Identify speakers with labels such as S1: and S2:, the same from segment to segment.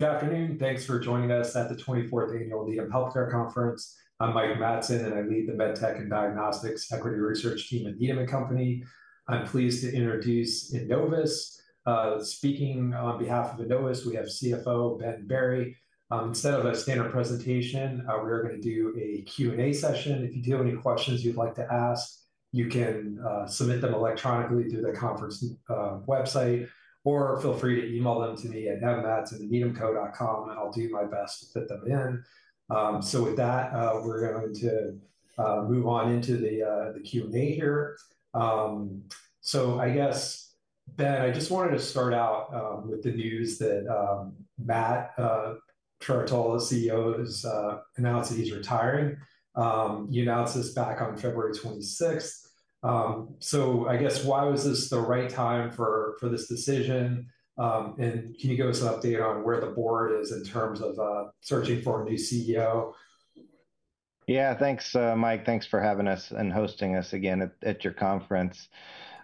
S1: Good afternoon. Thanks for joining us at the 24th Annual Needham Healthcare Conference. I'm Mike Matson, and I lead the MedTech and Diagnostics Equity Research team at Needham & Company. I'm pleased to introduce Enovis. Speaking on behalf of Enovis, we have CFO Ben Berry. Instead of a standard presentation, we are going to do a Q&A session. If you do have any questions you'd like to ask, you can submit them electronically through the conference website, or feel free to email them to me at mmatson@needhamco.com, and I'll do my best to fit them in. With that, we're going to move on into the Q&A here. I guess, Ben, I just wanted to start out with the news that Matt Trerotola, CEO, has announced that he's retiring. He announced this back on February 26th. I guess, why was this the right time for this decision? Can you give us an update on where the board is in terms of searching for a new CEO?
S2: Yeah, thanks, Mike. Thanks for having us and hosting us again at your conference.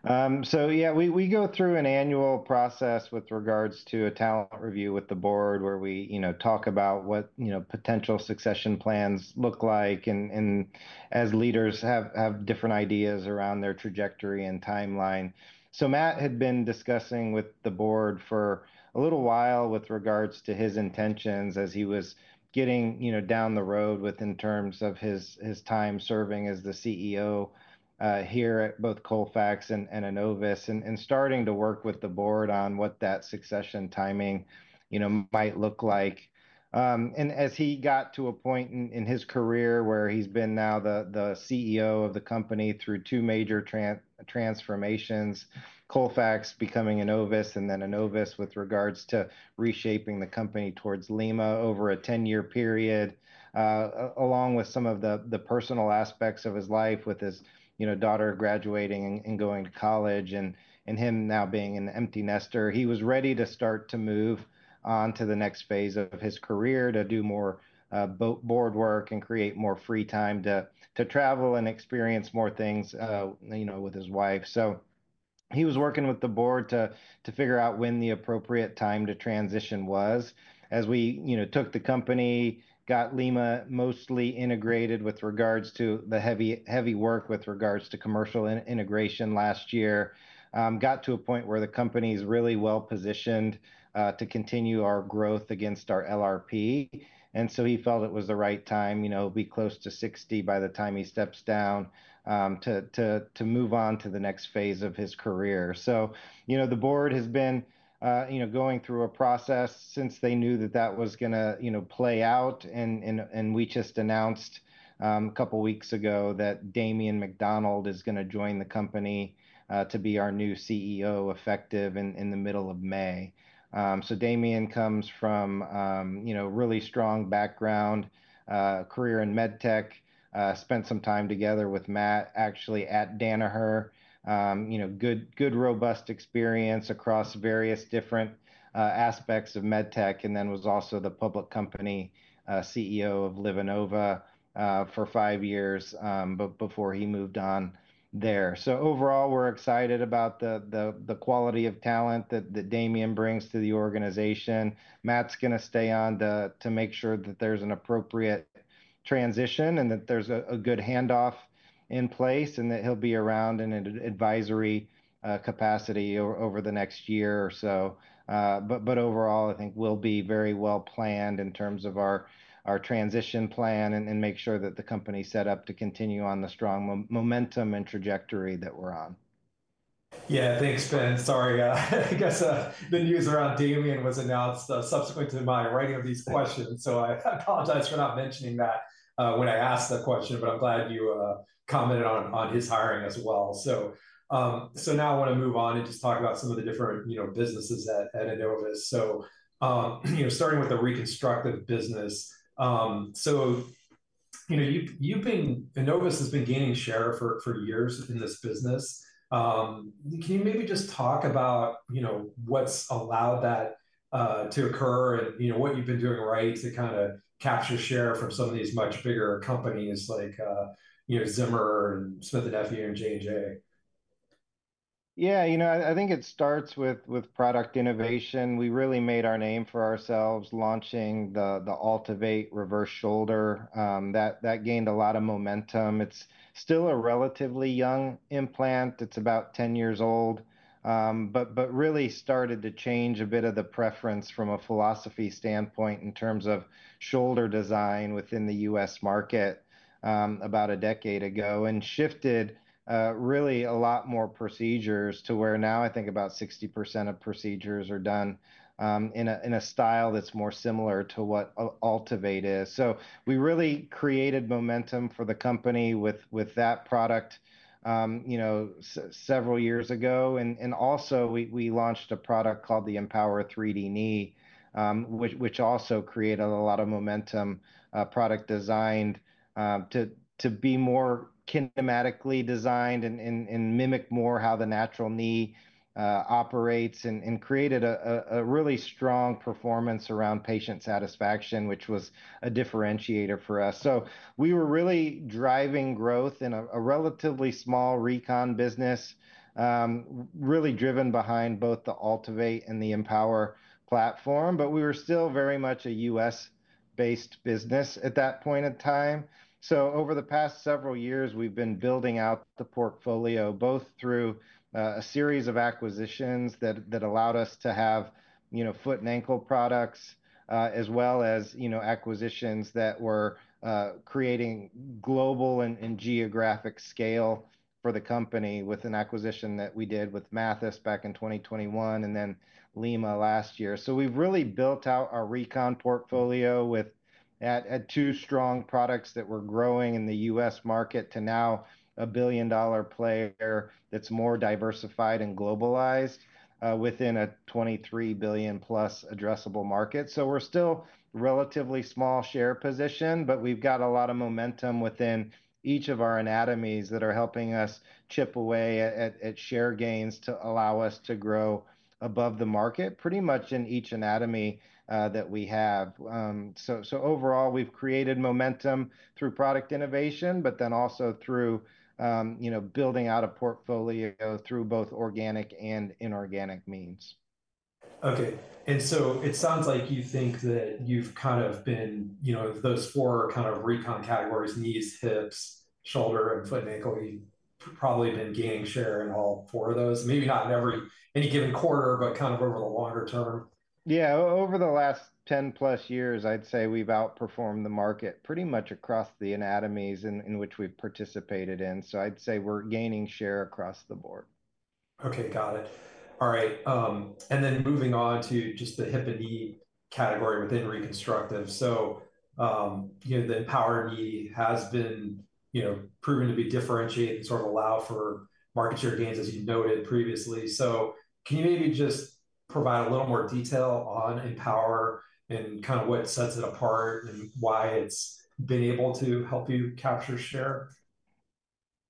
S2: Yeah, we go through an annual process with regards to a talent review with the board, where we talk about what potential succession plans look like, and as leaders have different ideas around their trajectory and timeline. Matt had been discussing with the board for a little while with regards to his intentions as he was getting down the road in terms of his time serving as the CEO here at both Colfax and Enovis, and starting to work with the board on what that succession timing might look like. As he got to a point in his career where he's been now the CEO of the company through two major transformations, Colfax becoming Enovis, and then Enovis with regards to reshaping the company towards Lima over a 10-year period, along with some of the personal aspects of his life with his daughter graduating and going to college, and him now being an empty nester, he was ready to start to move on to the next phase of his career to do more board work and create more free time to travel and experience more things with his wife. He was working with the board to figure out when the appropriate time to transition was. As we took the company, got Lima mostly integrated with regards to the heavy work with regards to commercial integration last year, got to a point where the company is really well positioned to continue our growth against our LRP. He felt it was the right time, be close to 60 by the time he steps down, to move on to the next phase of his career. The board has been going through a process since they knew that that was going to play out. We just announced a couple of weeks ago that Damien McDonald is going to join the company to be our new CEO effective in the middle of May. Damien comes from a really strong background, career in med tech, spent some time together with Matt, actually, at Danaher. Good, robust experience across various different aspects of med tech. He was also the public company CEO of LivaNova for five years before he moved on there. Overall, we're excited about the quality of talent that Damien brings to the organization. Matt's going to stay on to make sure that there's an appropriate transition and that there's a good handoff in place, and that he'll be around in an advisory capacity over the next year or so. Overall, I think we'll be very well planned in terms of our transition plan and make sure that the company is set up to continue on the strong momentum and trajectory that we're on.
S1: Yeah, thanks, Ben. Sorry, I guess the news around Damien was announced subsequent to my writing of these questions. I apologize for not mentioning that when I asked the question, but I'm glad you commented on his hiring as well. I want to move on and just talk about some of the different businesses at Enovis. Starting with the reconstructive business, Enovis has been gaining share for years in this business. Can you maybe just talk about what's allowed that to occur and what you've been doing right to kind of capture share from some of these much bigger companies like Zimmer Biomet, Smith & Nephew, and Johnson & Johnson?
S2: Yeah, you know I think it starts with product innovation. We really made our name for ourselves launching the AltiVate Reverse Shoulder. That gained a lot of momentum. It's still a relatively young implant. It's about 10 years old, but really started to change a bit of the preference from a philosophy standpoint in terms of shoulder design within the U.S. market about a decade ago, and shifted really a lot more procedures to where now I think about 60% of procedures are done in a style that's more similar to what AltiVate is. We really created momentum for the company with that product several years ago. We launched a product called the EMPOWR 3D Knee, which also created a lot of momentum, product designed to be more kinematically designed and mimic more how the natural knee operates, and created a really strong performance around patient satisfaction, which was a differentiator for us. We were really driving growth in a relatively small recon business, really driven behind both the AltiVate and the EMPOWR platform, but we were still very much a U.S.-based business at that point in time. Over the past several years, we've been building out the portfolio, both through a series of acquisitions that allowed us to have foot and ankle products, as well as acquisitions that were creating global and geographic scale for the company with an acquisition that we did with Mathys back in 2021, and then Lima last year. We have really built out our recon portfolio with two strong products that were growing in the U.S. market to now a billion-dollar player that is more diversified and globalized within a $23 billion-plus addressable market. We are still relatively small share position, but we have got a lot of momentum within each of our anatomies that are helping us chip away at share gains to allow us to grow above the market pretty much in each anatomy that we have. Overall, we have created momentum through product innovation, but then also through building out a portfolio through both organic and inorganic means.
S1: Okay. It sounds like you think that you've kind of been those four kind of recon categories: knees, hips, shoulder, and foot and ankle, you've probably been gaining share in all four of those. Maybe not in any given quarter, but kind of over the longer term.
S2: Yeah, over the last 10-plus years, I'd say we've outperformed the market pretty much across the anatomies in which we've participated in. I'd say we're gaining share across the board.
S1: Okay, got it. All right. Moving on to just the hip and knee category within reconstructive. The EMPOWR knee has been proven to be differentiating and sort of allow for market share gains, as you noted previously. Can you maybe just provide a little more detail on EMPOWR and kind of what sets it apart and why it's been able to help you capture share?
S2: Yeah.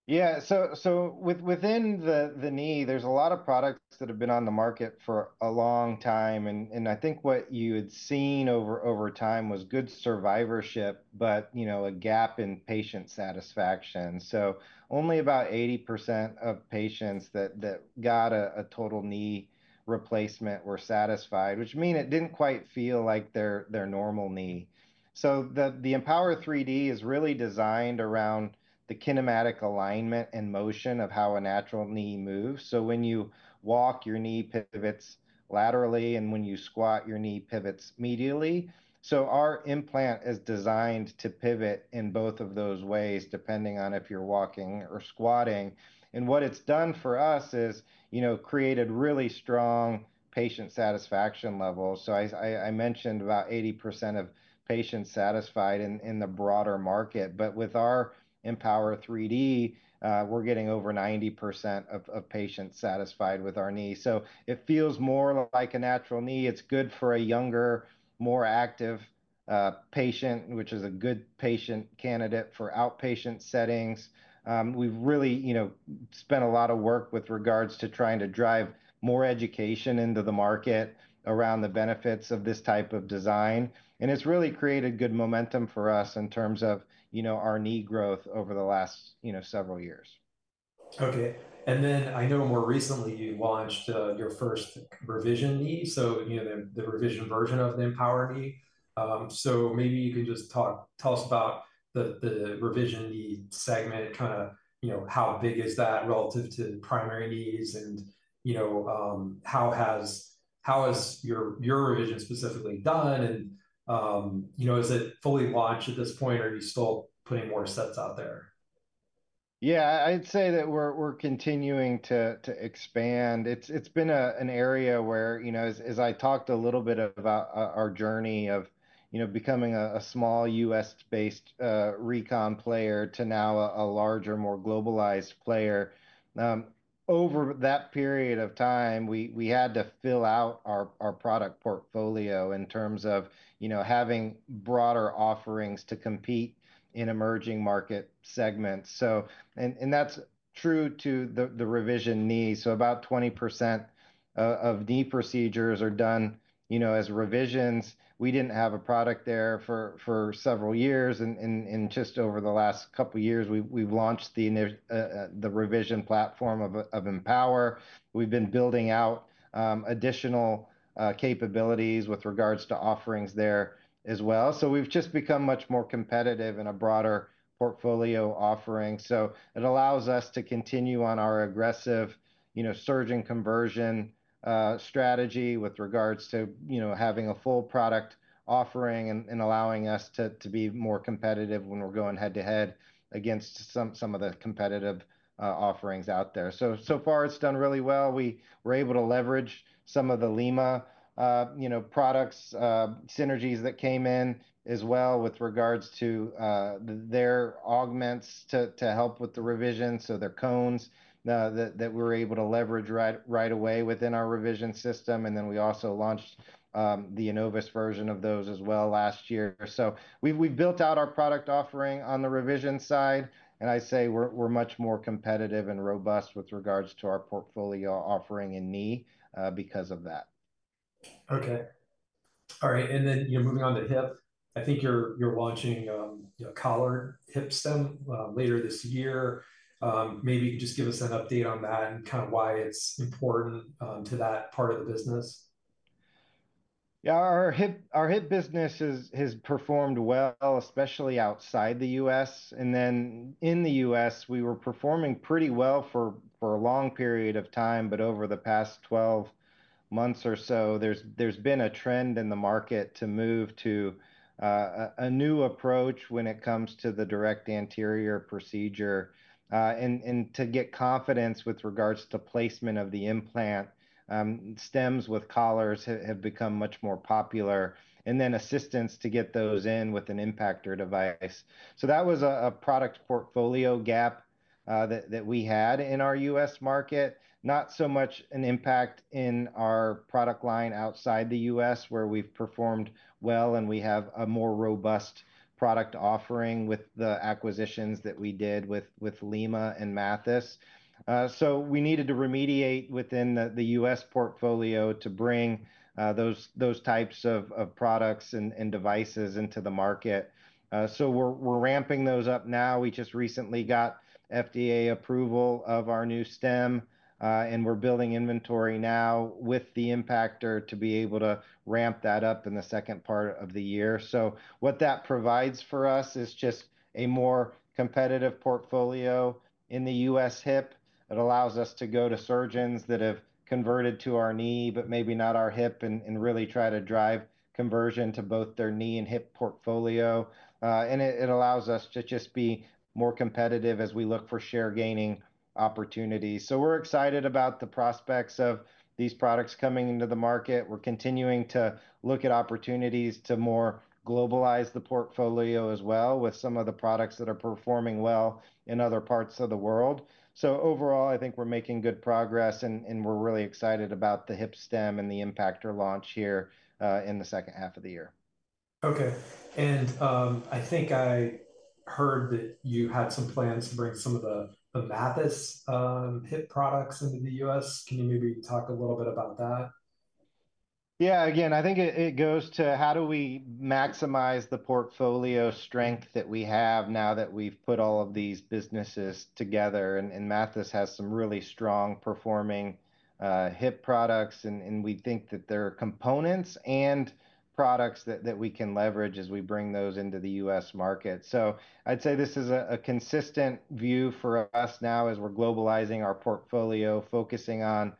S2: Within the knee, there's a lot of products that have been on the market for a long time. I think what you had seen over time was good survivorship, but a gap in patient satisfaction. Only about 80% of patients that got a total knee replacement were satisfied, which means it didn't quite feel like their normal knee. The EMPOWR 3D Knee is really designed around the kinematic alignment and motion of how a natural knee moves. When you walk, your knee pivots laterally, and when you squat, your knee pivots medially. Our implant is designed to pivot in both of those ways, depending on if you're walking or squatting. What it's done for us is created really strong patient satisfaction levels. I mentioned about 80% of patients satisfied in the broader market. With our EMPOWR 3D Knee, we're getting over 90% of patients satisfied with our knee. It feels more like a natural knee. It's good for a younger, more active patient, which is a good patient candidate for outpatient settings. We've really spent a lot of work with regards to trying to drive more education into the market around the benefits of this type of design. It's really created good momentum for us in terms of our knee growth over the last several years.
S1: Okay. I know more recently you launched your first revision knee, so the revision version of the EMPOWR knee. Maybe you can just tell us about the revision knee segment, kind of how big is that relative to primary knees, and how has your revision specifically done? Is it fully launched at this point, or are you still putting more sets out there?
S2: Yeah, I'd say that we're continuing to expand. It's been an area where, as I talked a little bit about our journey of becoming a small U.S.-based recon player to now a larger, more globalized player. Over that period of time, we had to fill out our product portfolio in terms of having broader offerings to compete in emerging market segments. That's true to the revision knee. About 20% of knee procedures are done as revisions. We didn't have a product there for several years. Just over the last couple of years, we've launched the revision platform of Empower. We've been building out additional capabilities with regards to offerings there as well. We've just become much more competitive in a broader portfolio offering. It allows us to continue on our aggressive surge and conversion strategy with regards to having a full product offering and allowing us to be more competitive when we're going head-to-head against some of the competitive offerings out there. So far, it's done really well. We were able to leverage some of the Lima products, synergies that came in as well with regards to their augments to help with the revision. Their cones that we were able to leverage right away within our revision system. We also launched the Enovis version of those as well last year. We've built out our product offering on the revision side. I'd say we're much more competitive and robust with regards to our portfolio offering in knee because of that.
S1: Okay. All right. And then moving on to hip, I think you're launching collared hip stem later this year. Maybe you can just give us an update on that and kind of why it's important to that part of the business.
S2: Yeah, our hip business has performed well, especially outside the U.S. In the U.S., we were performing pretty well for a long period of time. Over the past 12 months or so, there's been a trend in the market to move to a new approach when it comes to the direct anterior procedure. To get confidence with regards to placement of the implant, stems with collars have become much more popular, and assistance to get those in with an impactor device. That was a product portfolio gap that we had in our U.S. market, not so much an impact in our product line outside the U.S., where we've performed well and we have a more robust product offering with the acquisitions that we did with Lima and Mathys. We needed to remediate within the U.S. portfolio to bring those types of products and devices into the market. We are ramping those up now. We just recently got FDA approval of our new stem. We are building inventory now with the impactor to be able to ramp that up in the second part of the year. What that provides for us is just a more competitive portfolio in the U.S. hip. It allows us to go to surgeons that have converted to our knee, but maybe not our hip, and really try to drive conversion to both their knee and hip portfolio. It allows us to just be more competitive as we look for share-gaining opportunities. We are excited about the prospects of these products coming into the market. We're continuing to look at opportunities to more globalize the portfolio as well with some of the products that are performing well in other parts of the world. Overall, I think we're making good progress, and we're really excited about the hip stem and the impactor launch here in the second half of the year.
S1: Okay. I think I heard that you had some plans to bring some of the Mathys hip products into the U.S. Can you maybe talk a little bit about that?
S2: Yeah. Again, I think it goes to how do we maximize the portfolio strength that we have now that we've put all of these businesses together. And Mathys has some really strong performing hip products, and we think that there are components and products that we can leverage as we bring those into the U.S. market. I'd say this is a consistent view for us now as we're globalizing our portfolio, focusing on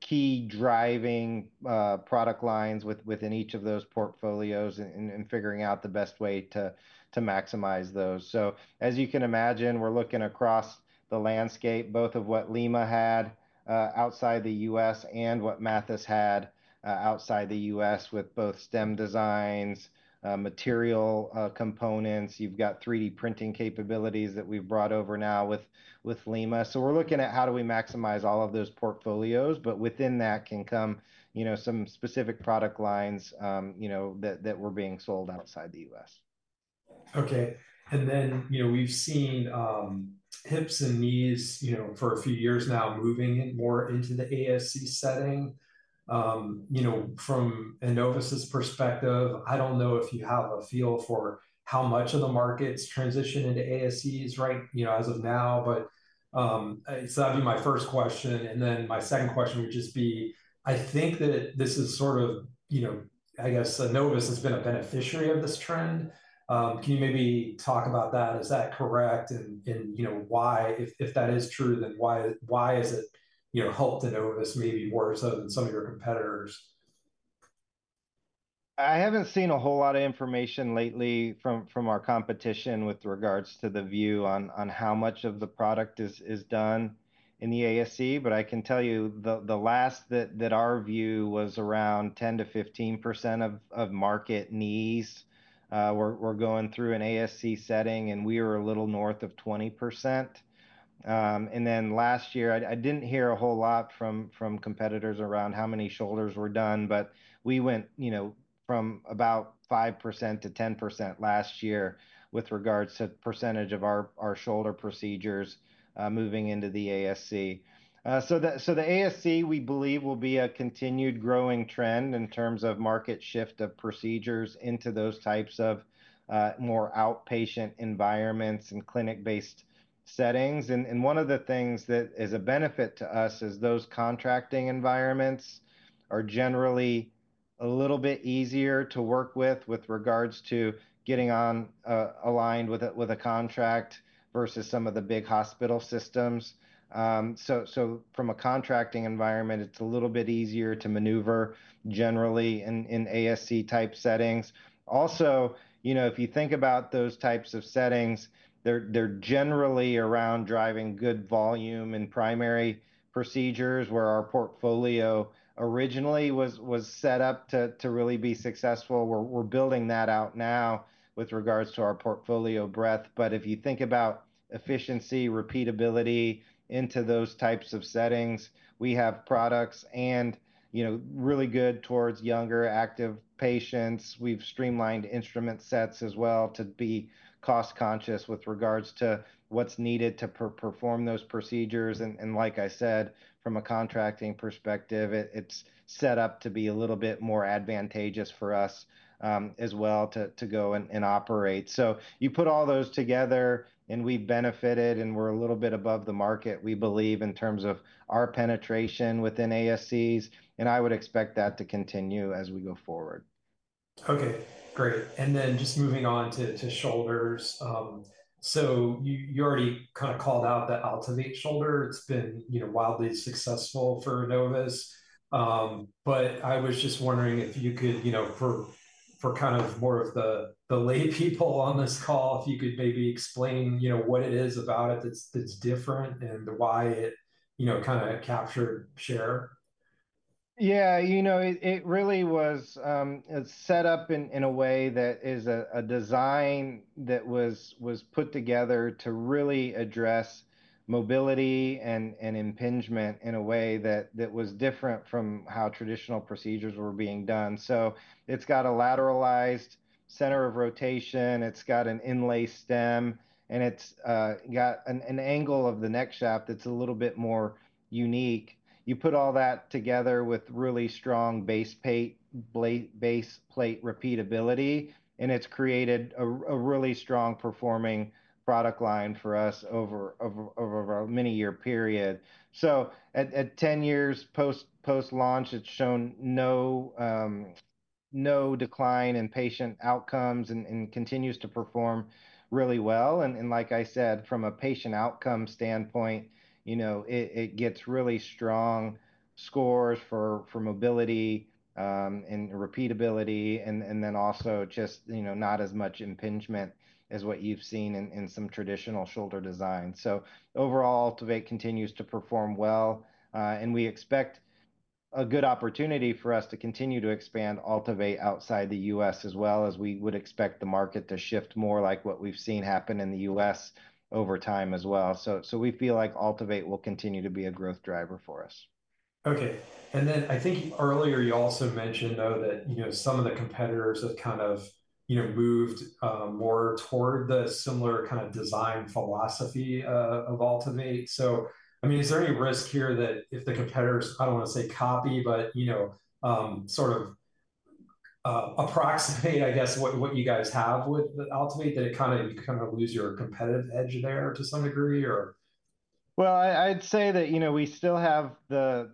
S2: key driving product lines within each of those portfolios and figuring out the best way to maximize those. As you can imagine, we're looking across the landscape, both of what Lima had outside the U.S. and what Mathys had outside the U.S. with both stem designs, material components. You've got 3D printing capabilities that we've brought over now with Lima. We're looking at how do we maximize all of those portfolios, but within that can come some specific product lines that were being sold outside the U.S.
S1: Okay. We've seen hips and knees for a few years now moving more into the ASC setting. From Enovis's perspective, I don't know if you have a feel for how much of the market's transitioned into ASCs right as of now. That'd be my first question. My second question would just be, I think that this is sort of, I guess, Enovis has been a beneficiary of this trend. Can you maybe talk about that? Is that correct? If that is true, then why has it helped Enovis maybe more so than some of your competitors?
S2: I haven't seen a whole lot of information lately from our competition with regards to the view on how much of the product is done in the ASC. I can tell you the last that our view was around 10-15% of market knees were going through an ASC setting, and we are a little north of 20%. Last year, I didn't hear a whole lot from competitors around how many shoulders were done, but we went from about 5% to 10% last year with regards to the percentage of our shoulder procedures moving into the ASC. The ASC, we believe, will be a continued growing trend in terms of market shift of procedures into those types of more outpatient environments and clinic-based settings. One of the things that is a benefit to us is those contracting environments are generally a little bit easier to work with with regards to getting aligned with a contract versus some of the big hospital systems. From a contracting environment, it's a little bit easier to maneuver generally in ASC-type settings. Also, if you think about those types of settings, they're generally around driving good volume in primary procedures where our portfolio originally was set up to really be successful. We're building that out now with regards to our portfolio breadth. If you think about efficiency, repeatability into those types of settings, we have products and really good towards younger, active patients. We've streamlined instrument sets as well to be cost-conscious with regards to what's needed to perform those procedures. Like I said, from a contracting perspective, it is set up to be a little bit more advantageous for us as well to go and operate. You put all those together, and we have benefited, and we are a little bit above the market, we believe, in terms of our penetration within ASCs. I would expect that to continue as we go forward.
S1: Okay. Great. Just moving on to shoulders. You already kind of called out the AltiVate shoulder. It's been wildly successful for Enovis. I was just wondering if you could, for kind of more of the laypeople on this call, maybe explain what it is about it that's different and why it kind of captured share.
S2: Yeah. You know, it really was set up in a way that is a design that was put together to really address mobility and impingement in a way that was different from how traditional procedures were being done. It's got a lateralized center of rotation. It's got an inlay stem, and it's got an angle of the neck shaft that's a little bit more unique. Y ou put all that together with really strong base plate repeatability, and it's created a really strong performing product line for us over a many-year period. At 10 years post-launch, it's shown no decline in patient outcomes and continues to perform really well. Like I said, from a patient outcome standpoint, it gets really strong scores for mobility and repeatability, and then also just not as much impingement as what you've seen in some traditional shoulder designs. Overall, AltiVate continues to perform well. We expect a good opportunity for us to continue to expand AltiVate outside the U.S. as well, as we would expect the market to shift more like what we've seen happen in the U.S. over time as well. We feel like AltiVate will continue to be a growth driver for us.
S1: Okay. I think earlier you also mentioned, though, that some of the competitors have kind of moved more toward the similar kind of design philosophy of AltiVate? I mean, is there any risk here that if the competitors, I don't want to say copy, but sort of approximate, I guess, what you guys have with AltiVate? Did it kind of lose your competitive edge there to some degree or?
S2: I’d say that we still have the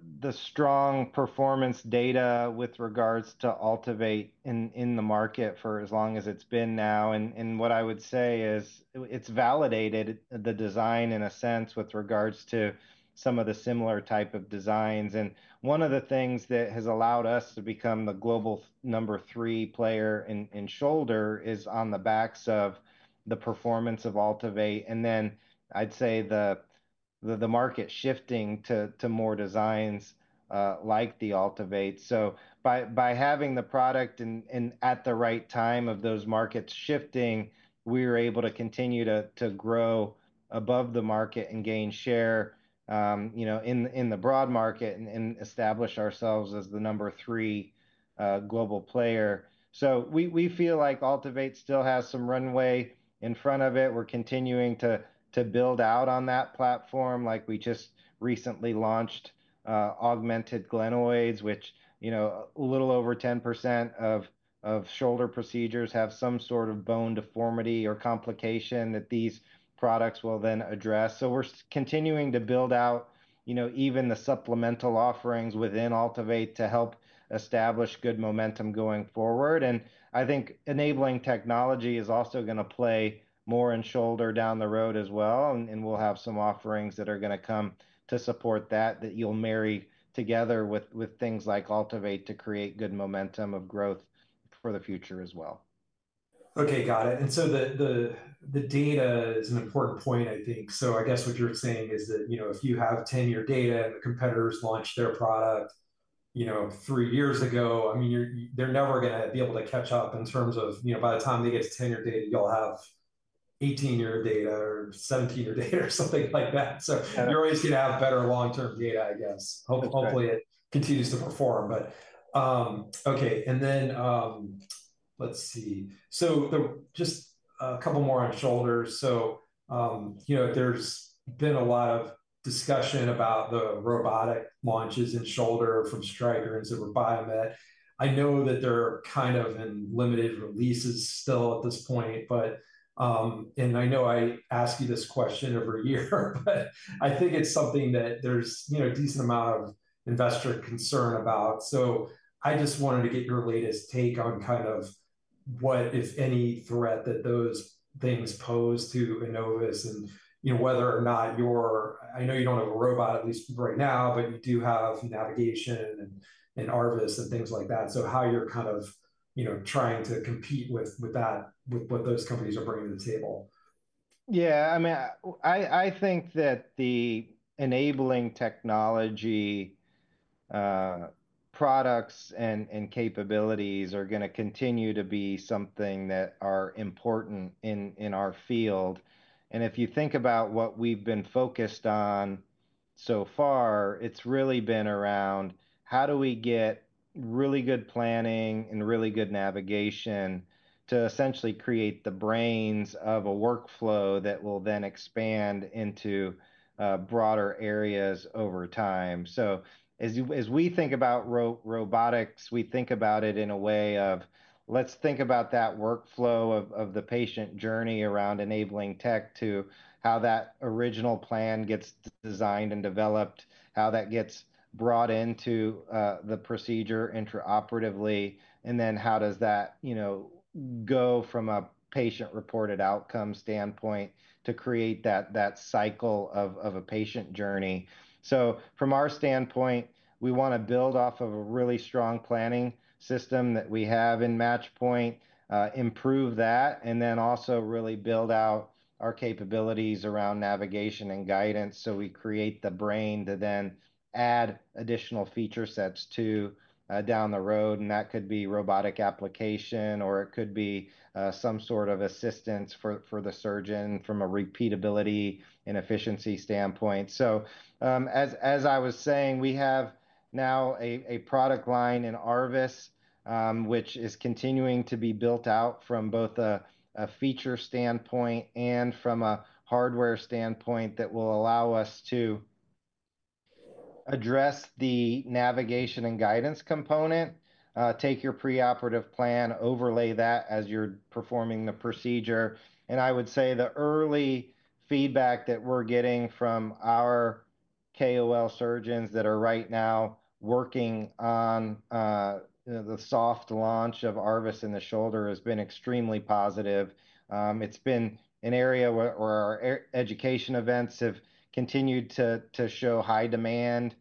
S2: strong performance data with regards to AltiVate in the market for as long as it’s been now. What I would say is it’s validated the design in a sense with regards to some of the similar type of designs. One of the things that has allowed us to become the global number three player in shoulder is on the backs of the performance of AltiVate. I’d say the market is shifting to more designs like the AltiVate. By having the product and at the right time of those markets shifting, we were able to continue to grow above the market and gain share in the broad market and establish ourselves as the number three global player. We feel like AltiVate still has some runway in front of it. We’re continuing to build out on that platform. We just recently launched augmented glenoids, which a little over 10% of shoulder procedures have some sort of bone deformity or complication that these products will then address. We are continuing to build out even the supplemental offerings within AltiVate to help establish good momentum going forward. I think enabling technology is also going to play more in shoulder down the road as well. We will have some offerings that are going to come to support that that you will marry together with things like AltiVate to create good momentum of growth for the future as well.
S1: Okay. Got it. The data is an important point, I think. I guess what you're saying is that if you have 10-year data and the competitors launched their product three years ago, I mean, they're never going to be able to catch up in terms of by the time they get to 10-year data, you'll have 18-year data or 17-year data or something like that. You're always going to have better long-term data, I guess. Hopefully, it continues to perform. Okay. Let's see. Just a couple more on shoulders. There's been a lot of discussion about the robotic launches in shoulder from Stryker and Zimmer Biomet. I know that they're kind of in limited releases still at this point. I know I ask you this question every year, but I think it's something that there's a decent amount of investor concern about. I just wanted to get your latest take on kind of what, if any, threat that those things pose to Enovis and whether or not you're—I know you don't have a robot, at least right now, but you do have navigation and ARVIS and things like that. How you're kind of trying to compete with that, with what those companies are bringing to the table.
S2: Yeah. I mean, I think that the enabling technology products and capabilities are going to continue to be something that are important in our field. If you think about what we've been focused on so far, it's really been around how do we get really good planning and really good navigation to essentially create the brains of a workflow that will then expand into broader areas over time. As we think about robotics, we think about it in a way of, let's think about that workflow of the patient journey around enabling tech to how that original plan gets designed and developed, how that gets brought into the procedure intraoperatively, and then how does that go from a patient-reported outcome standpoint to create that cycle of a patient journey. From our standpoint, we want to build off of a really strong planning system that we have in Match Point, improve that, and then also really build out our capabilities around navigation and guidance so we create the brain to then add additional feature sets to down the road. That could be robotic application, or it could be some sort of assistance for the surgeon from a repeatability and efficiency standpoint. As I was saying, we have now a product line in ARVIS, which is continuing to be built out from both a feature standpoint and from a hardware standpoint that will allow us to address the navigation and guidance component, take your preoperative plan, overlay that as you're performing the procedure. I would say the early feedback that we're getting from our KOL surgeons that are right now working on the soft launch of ARVIS in the shoulder has been extremely positive. It's been an area where our education events have continued to show high demand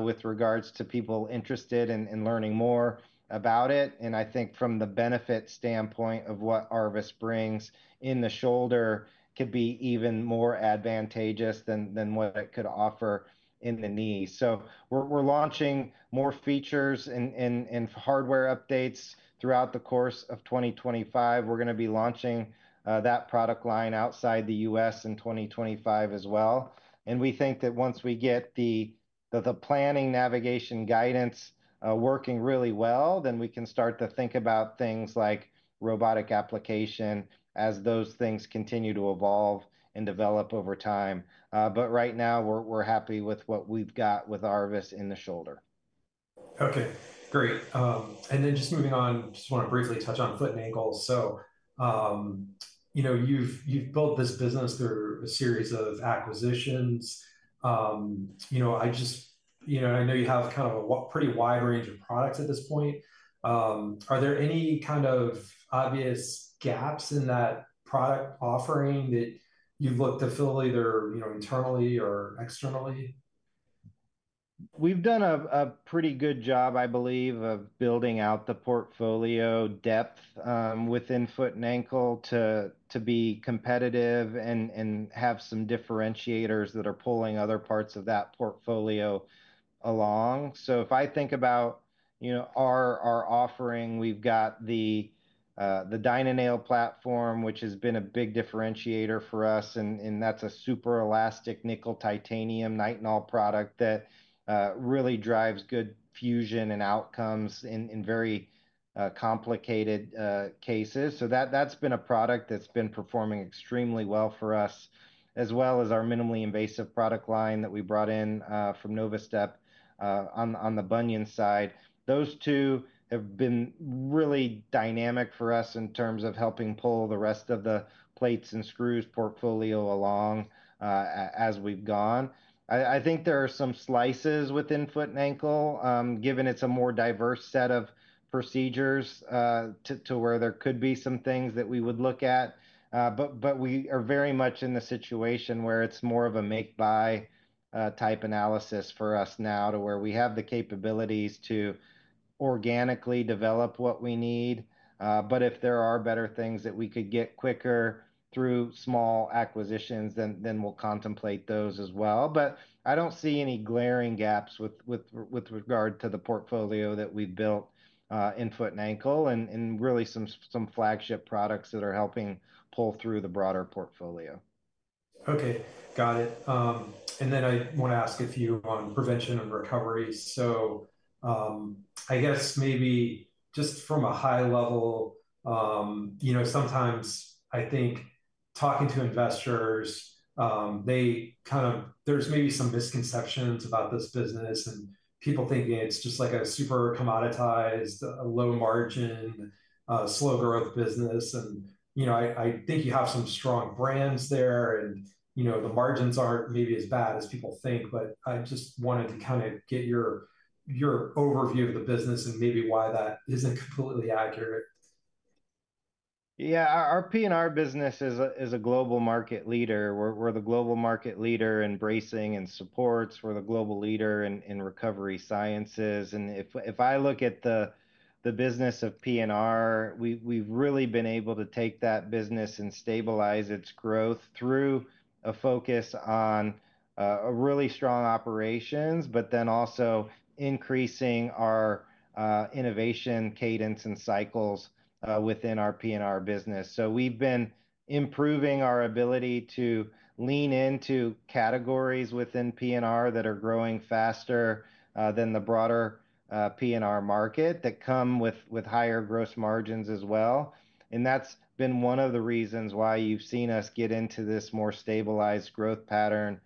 S2: with regards to people interested in learning more about it. I think from the benefit standpoint of what ARVIS brings in the shoulder could be even more advantageous than what it could offer in the knee. We are launching more features and hardware updates throughout the course of 2025. We are going to be launching that product line outside the U.S. in 2025 as well. We think that once we get the planning navigation guidance working really well, then we can start to think about things like robotic application as those things continue to evolve and develop over time. Right now, we're happy with what we've got with ARVIS in the shoulder.
S1: Okay. Great. Just moving on, just want to briefly touch on foot and ankles. You have built this business through a series of acquisitions. I just know you have kind of a pretty wide range of products at this point. Are there any kind of obvious gaps in that product offering that you have looked to fill either internally or externally?
S2: We've done a pretty good job, I believe, of building out the portfolio depth within foot and ankle to be competitive and have some differentiators that are pulling other parts of that portfolio along. If I think about our offering, we've got the DynaNail platform, which has been a big differentiator for us. That's a super elastic nickel titanium nitinol product that really drives good fusion and outcomes in very complicated cases. That's been a product that's been performing extremely well for us, as well as our minimally invasive product line that we brought in from Novastep on the bunion side. Those two have been really dynamic for us in terms of helping pull the rest of the plates and screws portfolio along as we've gone. I think there are some slices within foot and ankle, given it's a more diverse set of procedures to where there could be some things that we would look at. We are very much in the situation where it's more of a make-buy type analysis for us now to where we have the capabilities to organically develop what we need. If there are better things that we could get quicker through small acquisitions, then we'll contemplate those as well. I don't see any glaring gaps with regard to the portfolio that we've built in foot and ankle and really some flagship products that are helping pull through the broader portfolio.
S1: Okay. Got it. I want to ask a few on prevention and recovery. I guess maybe just from a high level, sometimes I think talking to investors, there's maybe some misconceptions about this business and people thinking it's just like a super commoditized, low-margin, slow-growth business. I think you have some strong brands there, and the margins aren't maybe as bad as people think. I just wanted to kind of get your overview of the business and maybe why that isn't completely accurate.
S2: Yeah. Our P&R business is a global market leader. We're the global market leader in bracing and supports. We're the global leader in recovery sciences. If I look at the business of P&R, we've really been able to take that business and stabilize its growth through a focus on really strong operations, but then also increasing our innovation cadence and cycles within our P&R business. We've been improving our ability to lean into categories within P&R that are growing faster than the broader P&R market that come with higher gross margins as well. That's been one of the reasons why you've seen us get into this more stabilized growth pattern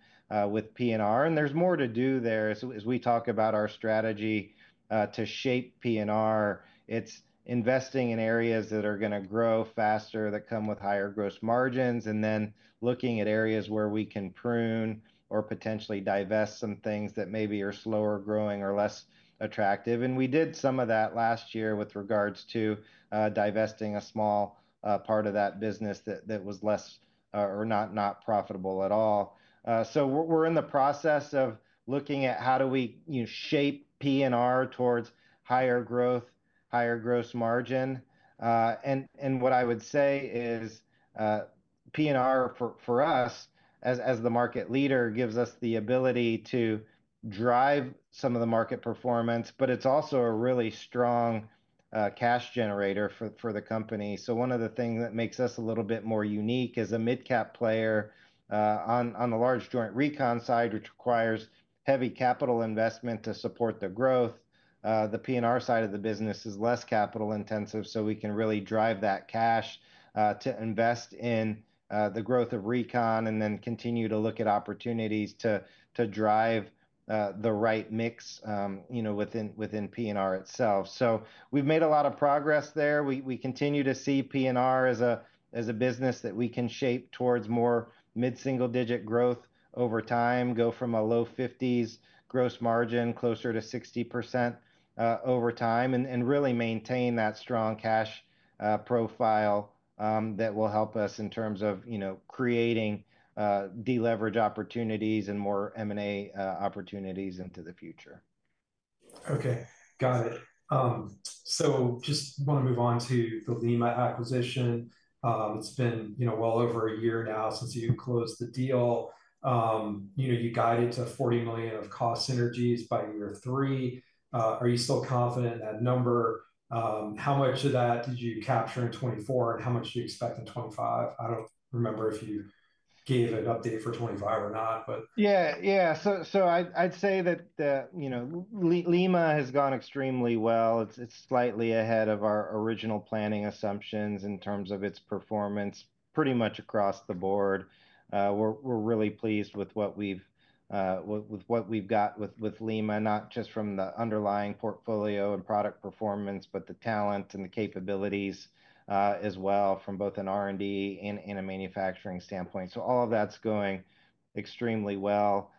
S2: with PNR. There's more to do there. As we talk about our strategy to shape PNR, it's investing in areas that are going to grow faster, that come with higher gross margins, and then looking at areas where we can prune or potentially divest some things that maybe are slower growing or less attractive. We did some of that last year with regards to divesting a small part of that business that was less or not profitable at all. We are in the process of looking at how do we shape PNR towards higher growth, higher gross margin. What I would say is PNR for us, as the market leader, gives us the ability to drive some of the market performance, but it's also a really strong cash generator for the company. One of the things that makes us a little bit more unique as a mid-cap player on the large joint recon side, which requires heavy capital investment to support the growth. The PNR side of the business is less capital intensive, so we can really drive that cash to invest in the growth of recon and then continue to look at opportunities to drive the right mix within PNR itself. We have made a lot of progress there. We continue to see PNR as a business that we can shape towards more mid-single-digit growth over time, go from a low 50s gross margin closer to 60% over time, and really maintain that strong cash profile that will help us in terms of creating deleverage opportunities and more M&A opportunities into the future.
S1: Okay. Got it. Just want to move on to the Lima acquisition. It's been well over a year now since you closed the deal. You guided to $40 million of cost synergies by year three. Are you still confident in that number? How much of that did you capture in 2024, and how much do you expect in 2025? I don't remember if you gave an update for 2025 or not.
S2: Yeah. Yeah. I'd say that Lima has gone extremely well. It's slightly ahead of our original planning assumptions in terms of its performance pretty much across the board. We're really pleased with what we've got with Lima, not just from the underlying portfolio and product performance, but the talent and the capabilities as well from both an R&D and a manufacturing standpoint. All of that's going extremely well.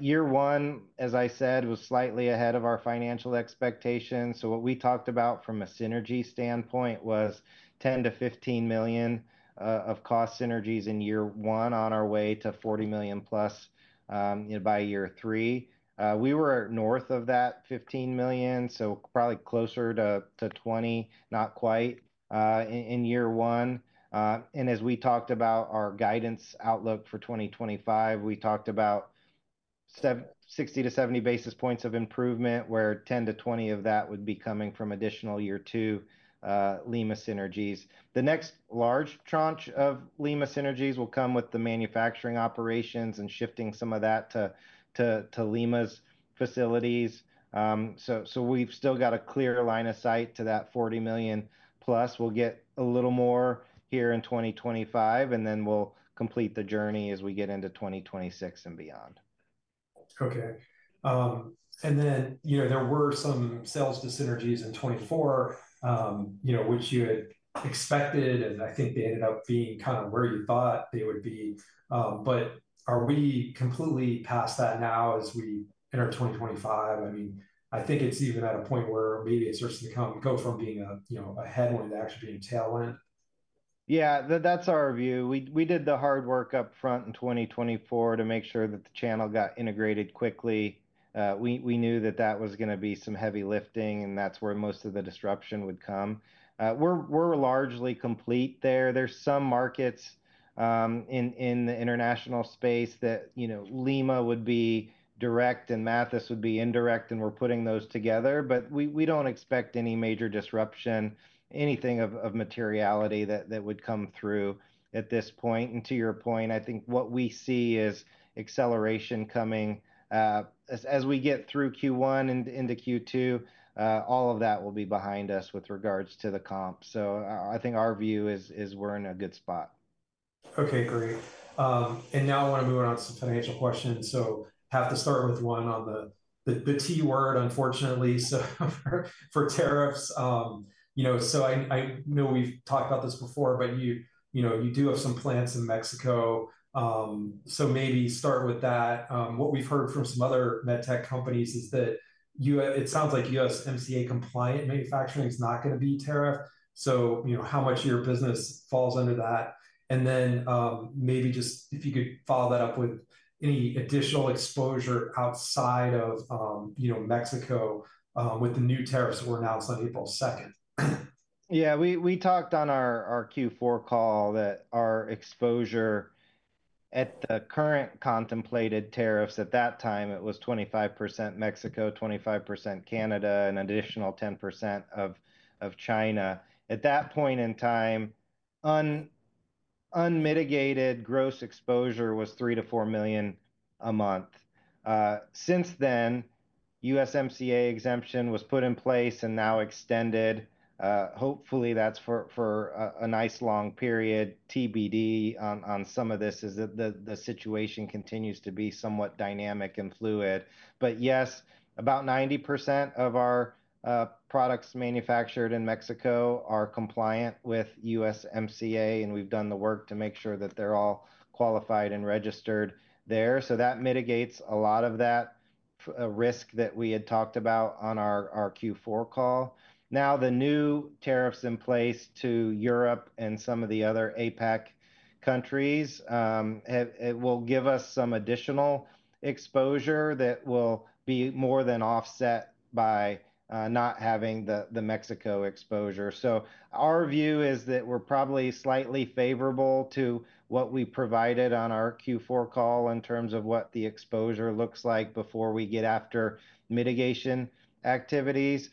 S2: Year one, as I said, was slightly ahead of our financial expectations. What we talked about from a synergy standpoint was $10 million-$15 million of cost synergies in year one on our way to $40 million plus by year three. We were north of that $15 million, so probably closer to $20 million, not quite, in year one. As we talked about our guidance outlook for 2025, we talked about 60-70 basis points of improvement, where 10-20 of that would be coming from additional year two Lima synergies. The next large tranche of Lima synergies will come with the manufacturing operations and shifting some of that to Lima's facilities. We have still got a clear line of sight to that $40 million plus. We will get a little more here in 2025, and then we will complete the journey as we get into 2026 and beyond.
S1: Okay. There were some sales to synergies in 2024, which you had expected, and I think they ended up being kind of where you thought they would be. Are we completely past that now as we enter 2025? I mean, I think it's even at a point where maybe it starts to go from being a headwind to actually being a tailwind.
S2: Yeah. That's our view. We did the hard work upfront in 2024 to make sure that the channel got integrated quickly. We knew that that was going to be some heavy lifting, and that's where most of the disruption would come. We're largely complete there. There are some markets in the international space where Lima would be direct and Mathys would be indirect, and we're putting those together. We do not expect any major disruption, anything of materiality that would come through at this point. To your point, I think what we see is acceleration coming. As we get through Q1 and into Q2, all of that will be behind us with regards to the comp. I think our view is we're in a good spot.
S1: Okay. Great. I want to move on to some financial questions. I have to start with one on the T word, unfortunately, for tariffs. I know we've talked about this before, but you do have some plants in Mexico. Maybe start with that. What we've heard from some other medtech companies is that it sounds like USMCA compliant manufacturing is not going to be tariffed. How much of your business falls under that? If you could follow that up with any additional exposure outside of Mexico with the new tariffs that were announced on April 2nd.
S2: Yeah. We talked on our Q4 call that our exposure at the current contemplated tariffs at that time, it was 25% Mexico, 25% Canada, and an additional 10% of China. At that point in time, unmitigated gross exposure was $3 million-$4 million a month. Since then, USMCA exemption was put in place and now extended. Hopefully, that's for a nice long period. TBD on some of this as the situation continues to be somewhat dynamic and fluid. Yes, about 90% of our products manufactured in Mexico are compliant with USMCA, and we've done the work to make sure that they're all qualified and registered there. That mitigates a lot of that risk that we had talked about on our Q4 call. Now, the new tariffs in place to Europe and some of the other APEC countries will give us some additional exposure that will be more than offset by not having the Mexico exposure. Our view is that we're probably slightly favorable to what we provided on our Q4 call in terms of what the exposure looks like before we get after mitigation activities.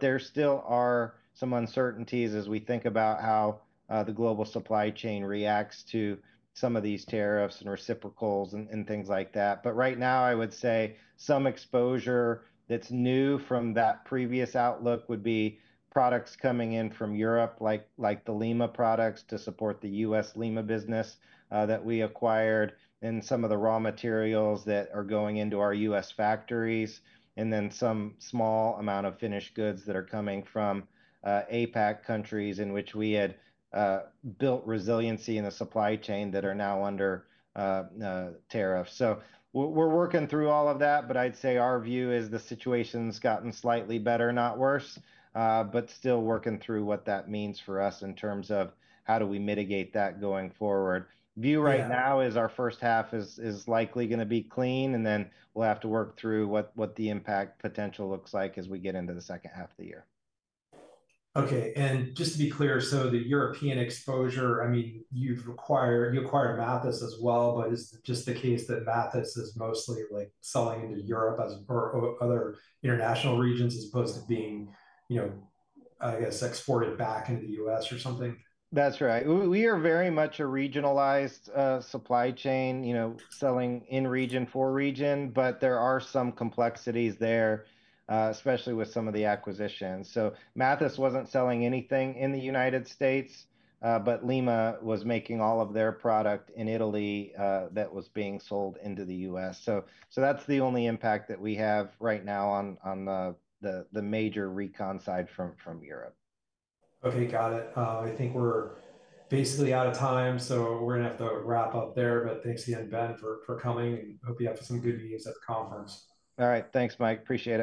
S2: There still are some uncertainties as we think about how the global supply chain reacts to some of these tariffs and reciprocals and things like that. Right now, I would say some exposure that's new from that previous outlook would be products coming in from Europe, like the Lima products to support the U.S. Lima business that we acquired, and some of the raw materials that are going into our U.S. factories, and then some small amount of finished goods that are coming from APEC countries in which we had built resiliency in the supply chain that are now under tariff. We are working through all of that, but I'd say our view is the situation's gotten slightly better, not worse, but still working through what that means for us in terms of how do we mitigate that going forward. View right now is our first half is likely going to be clean, and then we'll have to work through what the impact potential looks like as we get into the second half of the year.
S1: Okay. And just to be clear, the European exposure, I mean, you acquired Mathys as well, but is it just the case that Mathys is mostly selling into Europe or other international regions as opposed to being, I guess, exported back into the U.S. or something?
S2: That's right. We are very much a regionalized supply chain, selling in region for region, but there are some complexities there, especially with some of the acquisitions. Mathys wasn't selling anything in the United States, but Lima was making all of their product in Italy that was being sold into the U.S. That's the only impact that we have right now on the major recon side from Europe.
S1: Okay. Got it. I think we're basically out of time, so we're going to have to wrap up there. Thanks again, Ben, for coming, and hope you have some good news at the conference.
S2: All right. Thanks, Mike. Appreciate it.